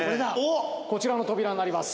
こちらの扉になります。